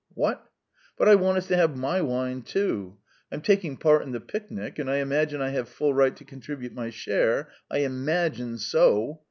"What? But I want us to have my wine, too; I'm taking part in the picnic and I imagine I have full right to contribute my share. I im ma gine so!